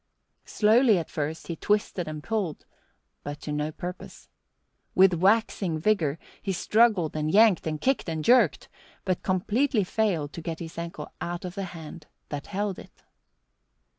Slowly at first he twisted and pulled, but to no purpose. With waxing vigour he struggled and yanked and kicked and jerked, but completely failed to get his ankle out of the hand that held it.